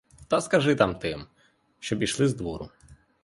Та скажи там тим, щоб ішли з двору.